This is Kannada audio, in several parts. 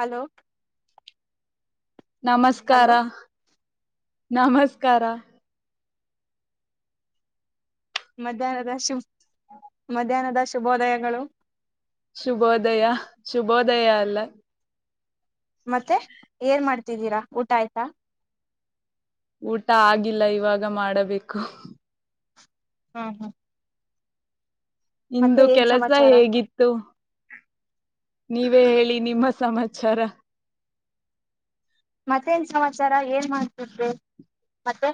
ಹಲೋ ನಮಸ್ಕಾರ ಹಲೋ ನಮಸ್ಕಾರ ಮಧ್ಯಾಹ್ನದ ಶು ಮಧ್ಯಾಹ್ನದ ಶುಭೋದಯಗಳು ಶುಭೋದಯ ಶುಭೋದಯ ಅಲ್ಲ ಮತ್ತೆ ಏನ್ ಮಾಡ್ತಿದ್ದೀರಾ ಊಟ ಆಯ್ತಾ ಊಟ ಆಗಿಲ್ಲ ಇವಾಗ ಮಾಡಬೇಕು ಹ್ಮ ಹಾ ಇಂದು ಕೆಲಸ ಸಮಾಚಾರ ಹೇಗಿತ್ತು ನೀವೇ ಹೇಳಿ ನಿಮ್ಮ ಸಮಾಚಾರ ಮತ್ತೇನ್ ಸಮಾಚಾರ ಏನ್ ಮಾಡ್ತಿದ್ದೆ ಮತ್ತೆ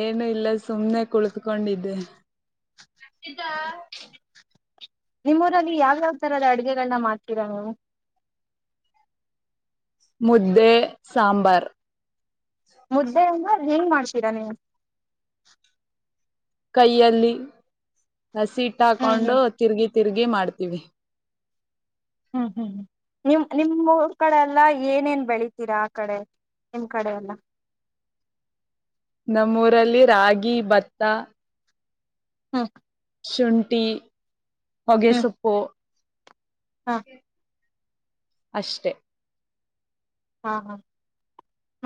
ಏನು ಇಲ್ಲ ಸುಮ್ನೆ ಕುಳತ್ಕೊಂಡಿದ್ದೆ [inaudible] ನಿಮ್ಮೂಊರಲ್ಲಿ ಯಾವ ಯಾವ್ ತರದ ಅಡ್ಗೆಗಳನ್ನ ಮಾಡ್ತೀರಾ ನೀವು ಮುದ್ದೆ ಸಾಂಬಾರ್ ಮುದ್ದೆೆ ಅಂದ್ರೆ ಅದು ಹೆಂಗ್ ಮಾಡ್ತೀರಾ ನೀವು ಕೈಯಲ್ಲಿ ಹಸಿಟ್ ಹ್ಮ್ ಹ್ಮ್ ಹಾಕೊಂಡು ತಿರ್ಗಿ ತಿರ್ಗಿ ಮಾಡ್ತೀವಿ ಹ್ಮ್ ಹ್ಮ್್ಮ ನಿಮ್ ನಿಮ್ ಊರ್ ಕಡೆ ಎಲ್ಲಾ ಏನೇನ್ ಬೆಳಿತೀರಾ ಆ ಕಡೆ ನಿಮ್ ಕಡೆ ಎಲ್ಲ ನಮ್ಮೂರಲ್ಲಿ ರಾಗಿ ಭತ್ತ ಹ್ಮ ಶುಂಠಿ ಹೊಗೆಸೊಪ್ಪು ಹಾ ಅಷ್ಟೆ ಹಾ ಹಾ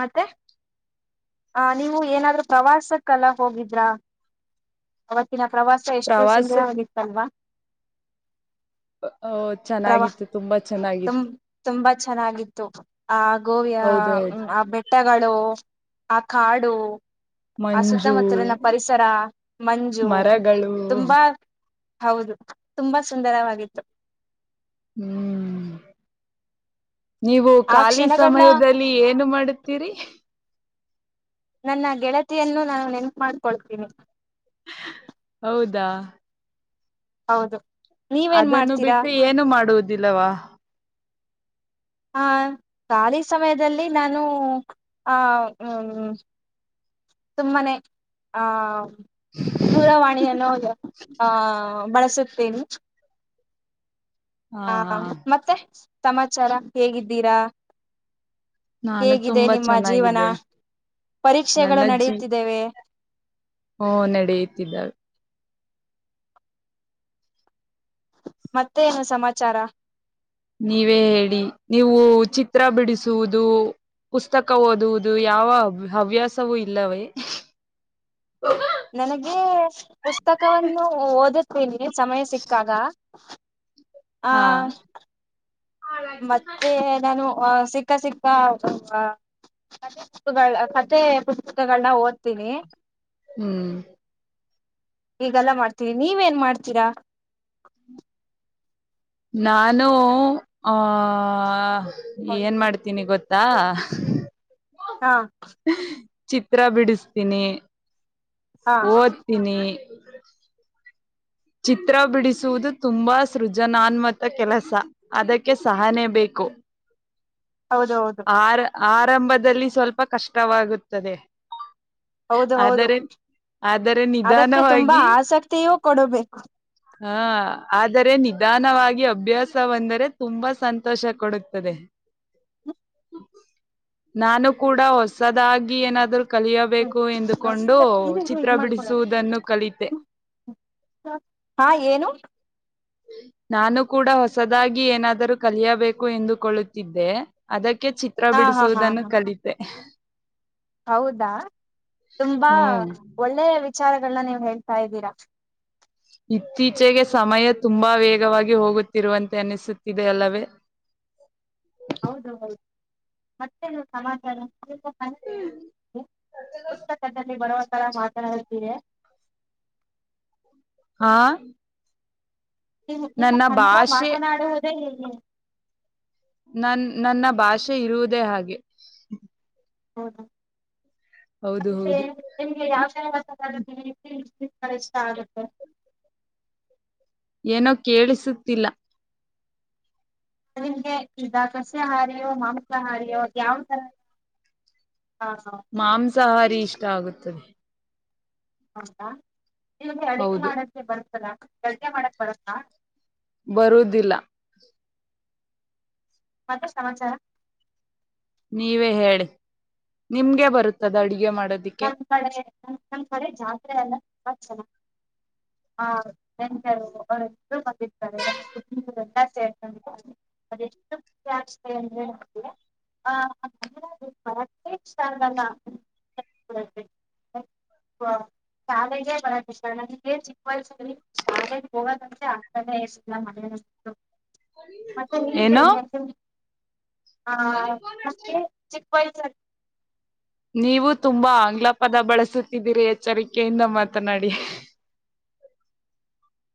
ಮತ್ತೆ ಆ ನೀವು ಏನಾದ್ರೂ ಪ್ರವಾಸಕ್ಕೆಲ್ಲ ಹೋಗಿದ್ರಾ ಅವತ್ತಿನ ಪ್ರವಾಸ ಎಷ್ಟು ಪ್ರವಾಸಕ್ ಸುಂದರವಾಗಿತ್ತಲ್ವಾ ಓ ಪ್ರವಾ ಚೆನ್ನಾಗಿತ್ತು ತುಂಬಾ ತುಂ ಚೆನ್ನಾಗಿತ್ತು ತುಂಬಾ ಚೆನ್ನಾಗಿತ್ತು ಆ ಗೋವಿಯ ಹೌದೌದು ಆ ಬೆಟ್ಟಗಳು ಆ ಕಾಡು ಆ ಸುತ್ತಮುತ್ತಲಿನ ಮಂಜು ಪರಿಸರ ಮಂಜು ಮರಗಳು ತುಂಬಾ ಹೌದು ತುಂಬಾ ಸುಂದರವಾಗಿತ್ತು ಹ್ಮ್ ನೀವು ಆ ಖಾಲಿ ಕ್ಷಣಗಳನ್ನ ಸಮಯದಲ್ಲಿ ಏನು ಮಾಡುತ್ತೀರಿ ನನ್ನ ಗೆಳತಿಯನ್ನು ನಾನು ನೆನಪು ಮಾಡ್ಕೊಳ್ತೀನಿ ಹೌದಾ ಹೌದು ನೀವೇನ್ ಅದನ್ನು ಮಾಡ್ತೀರಾ ಬಿಟ್ಟು ಏನು ಮಾಡುವುದಿಲ್ಲವಾ ಹ ಖಾಲಿ ಸಮಯದಲ್ಲಿ ನಾನು ಆ ಹ್ಮ. ತುಂಬಾನೇ ಆ. ದೂರವಾಣಿಯನ್ನು ಆ ಬಳಸುತ್ತೇನೆ. ಹಾ ಮತ್ತೆ ಸಮಾಚಾರ ಹೇಗಿದ್ದೀರಾ ನಾನು ಹೇಗಿದೆ ತುಂಬಾ ನಿಮ್ಮ ಜೀವನ ಚೆನ್ನಾಗಿದ್ದೇನೆ ಪರೀಕ್ಷೆಗಳು ನಡೆಯುತ್ತಿದ್ದೇವೆ ಹ ನಡೆಯತಿದ್ದಾವೆ ಮತ್ತೇನು ಸಮಾಚಾರ ನೀವೇ ಹೇಳಿ ನೀವು ಚಿತ್ರ ಬಿಡಿಸುವುದು ಪುಸ್ತಕ ಓದುವುದು ಯಾವ ಹವ್ಯಾಸವೂ ಇಲ್ಲವೇ [inaudible] ನನಗೆ ಪುಸ್ತಕವನ್ನು ಓದುತ್ತೀನಿ ಸಮಯ ಸಿಕ್ಕಾಗ ಹಾ ಮತ್ತೆ ನಾನು ಸಿಕ್ಕಾ ಸಿಕ್ಕಾ. ಕ ಪುಸ್ತಗಳ ಕತೆೆ ಪುಸ್ತಕಗಳನ್ನ ಓದ್ತೀನಿ. ಹ್ಮ್. ಈಗೆಲ್ಲ ಮಾಡ್ತೀನಿ ನೀವೇನ್ ಮಾಡ್ತೀರಾ. ನಾನು ಆ ಏನ್ ಮಾಡ್ತೀನಿ ಗೊತ್ತ. ಹಾ. ಹಾ. ಚಿತ್ರ ಬಿಡಿಸ್ತೀನಿ ಹಾ ಓದ್ತೀನಿ. ಚಿತ್ರ ಬಿಡಿಸುವುದು ತುಂಬಾ ಸೃಜನಾನ್ಮತ ಕೆಲಸ ಅದಕ್ಕೆ ಸಹನೆ ಬೇಕು. ಕು. ಹೌದ ಹೌದು. ಆರಂಭದಲ್ಲಿ ಸ್ವಲ್ಪ ಕಷ್ಟವಾಗುತ್ತದೆ. ಹೌದು ಹೌದು ಆದರೆ ಆದರೆ ಅದಕ್ಕೆ ತುಂಬಾ ನಿಧಾನವಾಗಿ ಆಸಕ್ತಿಯೂ ಕೊಡಬೇಕು. ಹಾ ಆದರೆ ನಿಧಾನವಾಗಿ ಅಭ್ಯಾಸ ಬಂದರೆ ತುಂಬಾ ಸಂತೋಷ ಕೊಡುತ್ತದೆ. [inaudible] ನಾನು ಕೂಡ ಹೊಸದಾಗಿ ಏನಾದ್ರು. ಹ್ಮ್ ಕಲಿಯಬೇಕು ಎಂದುಕೊಂಡು ಚಿತ್ರ ಬಿಡಿಸುವುದನ್ನು ಕಲಿತೆ. ಹಾ ಏನು. ನಾನು ಕೂಡ ಹೊಸದಾಗಿ ಏನಾದರೂ ಕಲಿಯಬೇಕು ಎಂದುಕೊಳ್ಳುತ್ತಿದ್ದೆ ಅದಕ್ಕೆ. ಕ್ಕೆ ಚಿತ್ರ ಹಾ ಹಾ ಹಾ ಬಿಡಿಸುವುದನ್ನು ಹಾ ಕಲಿತೆ. ಹೌದಾ ತುಂಬಾ ಹ್ಮ್ ಒಳ್ಳೆ ವಿಚಾರ. ನೀವ್ ಹೇಳ್ತಾ ಇದ್ದೀರಾ. ಇತ್ತೀಚೆಗೆ ಸಮಯ ತುಂಬಾ ವೇಗವಾಗಿ ಹೋಗುತ್ತಿರುವಂತೆ ಅನಿಸುತ್ತಿದೆ ಅಲ್ಲವೇ. [inaudible] ಹೌದು ಹೌದು ಮತ್ತೇನು ಸಮಾಚಾರ. ಪುಸ್ತಕದಲ್ಲಿ ಬರುವ. ತರ ಮಾತನಾಡುತೀರಾ. ಹಾ. ನಿವು ನಿಮ್ಮ ನನ್ನ ಕನ್ನಡ ಭಾಷೆ ಮಾತನಾಡುವುದೇ ಹೀಗೆ. ನನ್ ನನ್ನ ಭಾಷೆ ಇರುವುದೇ ಹಾಗೆ. ಹೌದಾ. ಹೌದು ಮತ್ತೆ ಹೌದು ನಿಮ್ಗೆ ಯಾವ್ ಕನ್ನಡ ಬರುತ್ತೆ. ಷ್ಟ ಆಗುತ್ತೆ. ಏನೋ ಕೇಳಿಸುತ್ತಿಲ್ಲ. ನಿಮ್ಗೆ ಈಗ ಸಸ್ಯಾಹಾರಿಯೋ ಮಾಂಸಹಾರಿಯೋ ಯಾವ ತರ. ಹಾ ಹಾ. ಸಹಾರಿ ಇಷ್ಟ ಆಗುತ್ತದೆ. ಹೌದಾ ನಿಮಗೆ ಅಡಿಗೆೆ ಹೌದು ಮಾಡಕ್ಕೆೆ ಬರ್ತ್ತದಾ ಅಡಿಗೆ ಮಾಡಕ್ ಬರುತ್ತಾ. ಬರುದಿಲ್ಲ ಮತ್ತೆ ಸಮಾಚಾರ ನೀವೇ ಹೇಳಿ ನಿಮ್ಗೆ ಬರುತ್ತದ ಅಡ್ಗೆ ಮಾಡ ನಮ್ ಕಡೆ ನಮ್ ಕಡೆ ಜಾತ್ರೆ ಅಲ್ಲ ಚೆಲ. [inaudible] ಎಷ್ಟುಾಸ್ತ ಅಂದತ. [inaudible] ಹಷ್ಟ ಆಲ್ಲ. [inaudible] ಹಾ. ಶಾಲೆಗೆ ಬ ಡಿಫ್ರಂಟ್ ಆ ಏನ್ ಸಿಕ್ಕಲ್ಸ ಶಾಲೆಗೆ ಹೋಗೋದಂತೆೆ ಆಗ್ತಾನೆ ಇರಲಿಲ್ಲ ಮನೇಲಿ. [unintelligible] ಮತ್ತೆ ಏನು ಹಗ ಆ. ಪೈಸರ್. ನೀವು ತುಂಬಾ ಆಂಗ್ಲ ಪದ ಬಳಸುತ್ತಿದ್ದೀರಿ ಎಚ್ಚರಿಕೆಯಿಂದ ಮಾತನಾಡಿ [unintelligible]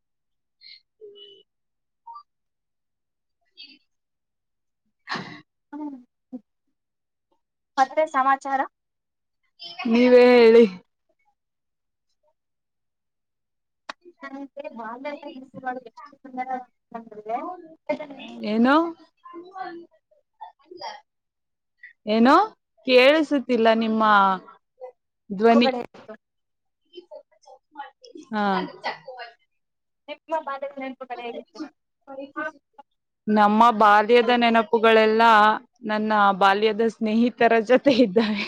[unintelligible] ಮತ್ತೆ ಸಮಾಚಾರ ನೀವೇ ಹೇಳಿ ನೆ ಬಾಲ್ಲ ನಪು ಎಷ್ಟುಂದರ ಏನೊ ಏನೋ ಕೇಳಿಸತಿಲ್ಲ ನಿಮ್ಮ ಧ್ವನಿ ಕೊಗಡೆ ಹಾ ನಿ [unintelligible] ನಮ್ಮ ಬಾಲ್ಯದ ನೆನಪುಗಳೆಲ್ಲ ಎಲ್ಲ ನನ್ನ ಬಾಲ್ಯದ ಸ್ನೇಹಿತರ ಜೊತೆ ಇದ್ದಾರೆೆ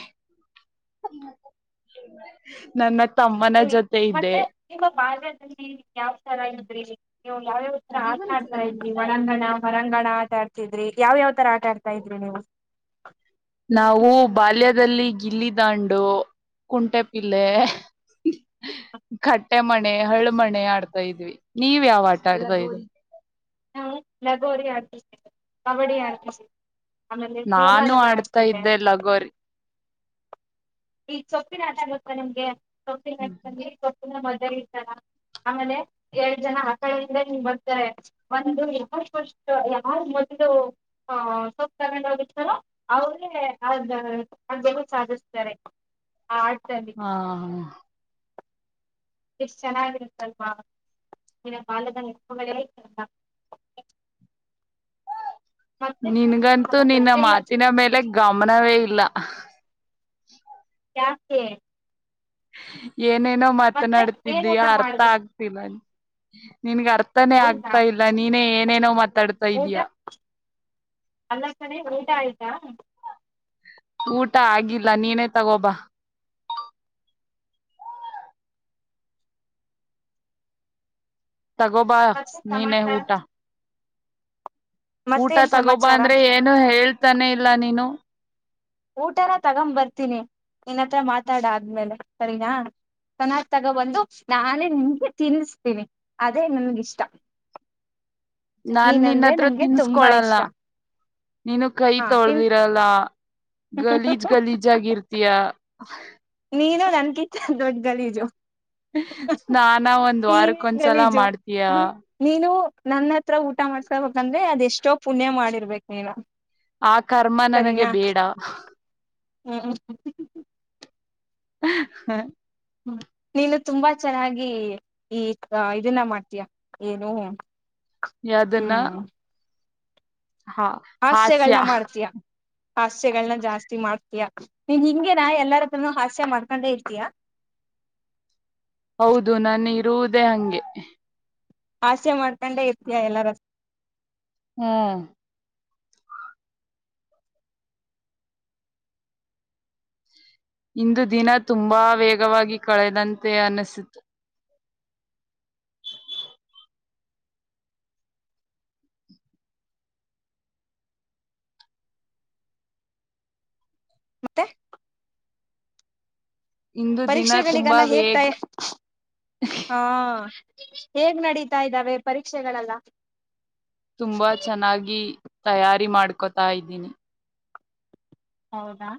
ನನ್ನ ತಮ್ಮನ ಜೊತೆ ಇದೆ ಯಾವ್ ತರ ಇದ್ರಿ ನೀವು ಯಾವ್ಯಾವ ತರ ಆಟಾಡ್ತಾ ಇದ್ರಿ ಒಳಾಂಗಣ ಹೊರ ಕಂಗಣ ಆಟಾಡ್ತಿದ್ರಿ ಯಾವ್ ಯಾವ್ ತರ ಆಟಾಡ್ತಾ ಇದ್ರಿ ನೀವು ನಾವು ಬಾಲ್ಯದಲ್ಲಿ ಗಿಿಲ್ಲಿದಂಡು ಕುಂಟೆ ಪಿಲ್ಲೆ ಕಟ್ಟೆ ಮಣೆ ಹಳು ಮಣೆ ಆಡ್ತಾ ಇದ್ವಿ ನೀವ್ ಯಾವ ಆಟ ಆಡ್ತಾ ಇದ್ವಿ ನ ಲಗೋರಿ ಆಡತಿದ್ವಿ ಕಬಡಿ ಆರ್ಪ ನಾನು ಆಡ್ತಾ ಇದ್ದೆ ಲಗೋರಿ ಈ ಸೊಪ್ಪಿನಾಟ ಆಟ ಗೊತ್ತಾ ನಿಮ್ಗೆ ಸೊಪ್ಪಿ ನಾಂದ್ರೆ ಸೊಪ್ಪಿನ ಮದ್ ತಾರ ಆಮೇಲೆ ಎರಡ್ ಜನ ಆಕಡೆ ಹಿಂದ ನಿ ಬರ್ತಾರೆ ಒಂದು ಯ ವರ್ಷ ಯಾವ ಮೊದಲು ಆ ಸಕಾರೋಗತ್ತಾರ ಅವರು ಕೊನೆ ಅದಾ ಸಾಧಿಸತಾರೆ ಹಾ ಚೆನ್ನಾಗಿತ್ತಲ್ವಾಲು ಬಾಲ್ಯದ ನೆನಪುಗಳೆ ಚಂದ [inaudible] ನಿನ್ಗಂತೂ ನಿನ್ನ ಮಾತಿನ ಮೇಲೆ ಗಮನವೇ ಇಲ್ಲ ಯಾಕೆ ಏನೇನೋ ಮತ್ತೆ ಏನ್ ಮಾತನಾಡ್ತಿದ್ದೀಯ ಊಟ ಅರ್ಥ ಮಾಡ್ದೆ ಆಗ್ತಿಲ್ಲ ನಿನ್ಗ ಅರ್ಥ ಅರ್ಥ ನೇ ಹೌದಾ ಆಗ್ತಾ ಇಲ್ಲ ನೀನೇ ಏನೇನೋ ಮಾತಾಡ್ತಾ ಊಟ ಇದೀಯಾ ಅಲ್ಲ ಸರಿ ಊಟ ಆಯ್ತಾ ಊಟ ಆಗಿಲ್ಲ ನೀನೇ ತಗೋಬ ತಗೋಬಾ ಮತ್ತೆ ನೀನೆ ಸಮಾಚಾರ ಊಟ ಊಟ ಮತ್ತೇನ್ ತಗೋಬ ಸಮಾಚಾರ ಅಂದ್ರೆ ಏನು ಹೇಳ್ತಾನೆ ಇಲ್ಲ ನೀನು ಊಟನ ತಗೊ್ ಬರ್ತೀನಿ ಇನ್ನತ್ರ ಮಾತಾಡ ಆದ್ಮೇಲೆ ಸರಿನಾ ಚೆನ್ನಾಗ ತಗೋ ಬಂದು ನಾನೇ ನಿಮ್ಗೆ ತಿನ್ನಿಸ್ತೀನಿ ಅದೇ ನನ್ಗಿಷ್ಟ [inaudible] ನಾನ್ ನೀನಂದ್ರೆ ನಿನ್ನಹತ್ರ ನಂಗೆ ತುಂಬಾ ತಿನ್ಸ್ಕೊಳಲ್ಲ ಇಷ್ಟ ನೀನು ಕೈ ಹಾ ತಿನ್ ತೊಳ್ದಿರಲ್ಲ ಗಲೀಜ್ ಗಲೀಜ್ ಆಗಿರ್ತಯ ನೀನು ನನ್ನಕಿಂತ ದೊಡ್ಡ ಗಲೀಜು ಸ್ನಾನ ಒಂದ್ ನೀನೇ ವಾರಕ್ಕೊಂದ್ಸಲ ಗಲೀಜು ಮಾಡ್ತೀಯ ಹ ನೀನು ನನ್ನ ಹತ್ರ ಊಟ ಮಾಡ್ಸಬೇಕಂದ್ರೆ ಅದ ಎಷ್ಟೋ ಪುಣ್ಯ ಮಾಡಿರ್ಬೇಕಕ್ ನೀನು ಆ ಕರ್ಮ ನನಗೆ ಬೇಡ ಹ್ಮ ಹಾ ಹ್ಮ ನೀನು ತುಂಬಾ ಚೆನ್ನಾಗಿ ಈ ಇದನ್ನ ಮಾಡ್ತೀಯ ಏನು ಯ್ದನ್ನ ಹ್ಮ್ ಹಾಸ್ಯಗಳನ್ನ ಮಾಡ್ತೀಯಾ ಹಾಸ್ಯಗಳನ್ನ ಜಾಸ್ತಿ ಮಾಡ್ತೀಯಾ ನೀನ್ ಹಿಂಗಗೆನಾ ಎಲ್ಲಾರ ಹತ್ರನು ಹಾಸ್ಯ ಮಾಡ್ಕೊಂಡೆ ಇರ್ತೀಯಾ [inaudible] ಹೌದು ನಾನು ಇರುವುದೇ ಹಂಗೆ ಆಸೆ ಮಾಡ್ಕೊಂಡೆ ಇರ್ತಯ ಎಲ್ಲಾರ ಹ್ಮ್ ಇಂದು ದಿನ ತುಂಬಾ ವೇಗವಾಗಿ ಕಳೆದಂತೆ ಅನಿಸಿತು ಮತ್ತೆ ಇಂದು ದಿನ ತುಂಬಾ ಪರೀಕ್ಷೆಗಳಿಗೆಲ್ಲ ವೇಗ ಹೇಗ್ತಾಯ ಹಾ ಹೇಗ್ ನಡೀತಾ ಇದ್ದಾವೆ ಪರೀಕ್ಷೆಗಳೆಲ್ಲ ತುಂಬಾ ಚೆನ್ನಾಗಿ ತಯಾರಿ ಮಾಡ್ಕೊತಾ ಇದ್ದೀನಿ ಹೌದಾ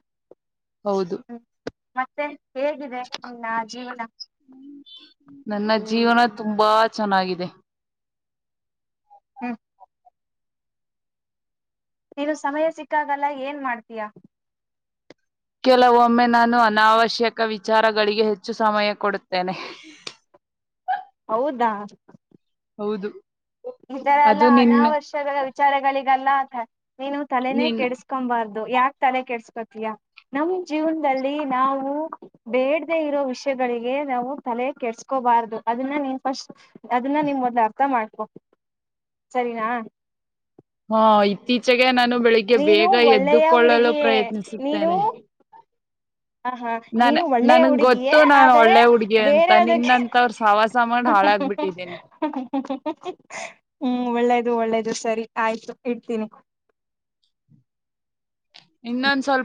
ಹೌದು ಹ್ಮ ಮತ್ತೆ ಹೇಗಿದೆ ನನ್ನ ಜೀವನ ನನ್ನ ಜೀವನ ತುಂಬಾ ಚೆನ್ನಾಗಿದೆ ಹ್ಮ್ ನೀನು ಸಮಯ ಸಿಕ್ಕಾಗಲ್ಲ ಏನ್ ಮಾಡ್ತೀಯಾ ಕೆಲವೊಮ್ಮೆ ನಾನು ಅನಾವಶ್ಯಕ ವಿಚಾರಗಳಿಗೆ ಹೆಚ್ಚು ಸಮಯ ಕೊಡುತ್ತೇನೆ ಹೌದಾ ಹೌದು ಈತರ ಎಲ್ಲ ಅದು ನಿನ್ನ ಅನಾವರ್ಶ್ಯಗಳ ವಿಚಾರಗಳಿಗೆಲ್ಲ ನೀನು ತಲೆನೇ ನಿನ್ ಕೆಡಿಸಕೊಬಾರ್ದು ಯಾಕೆ ತಲೆ ಕೆಡ್ಸ್ಕೋತಯ ನಮ ಜೀವನದಲ್ಲಿ ನಾವು ಬೇಡದೆ ಇರೋ ವಿಷಯ ಗಳ ನಾವು ತಲೆ ಕೆಡ್ಸ್ಕೋಬಾರ್ದು ಅದನ್ನ ನೀನ್ ಫಸ್ಟ್ ಅದನ್ನ ನಿಮ್ ಮೊದ್ಲು ಅರ್ಥ ಮಾಡ್ಕೋ ಸರಿನಾ ಹಾ ಇತ್ತೀಚೆಗೆ ನಾನು ಬೆಳಿಗ್ಗೆ ನೀನು ಬೇಗ ಒಳ್ಳೆಯ ಎದ್ದುಕೊಳ್ಳಲು ಹುಡುಗಿಯೇ ನೀನು ಪ್ರಯತ್ನಿಸುತ್ತೇನೆ ಹ ಹಾ ನನ್ ನೀನು ಒಳ್ಳೆಯ ನನ್ಗ್ ಹುಡುಗಿಯೇ ಗೊತ್ತು ನಾನ್ ಆದರೆ ಒಳ್ಳೆ ಹುಡ್ಗಿ ಅಂತ ಬೇರೆ ಅದಕ್ಕೆ ನಿನ್ನಂತವ್ರ ಸವಾಸ ಮಾಡ್ ಹಾಳಾಗ್ಬಿಟ್ಟಿದ್ದೀನಿ ಹ್ಮ್ ಒಳ್ಳೇದು ಒಳ್ಳೇದು ಸರಿ ಆಯ್ತು ಇಡ್ತೀನಿ ಇನ್ನೊಂದ್ ಸ್ವಲ್ಪ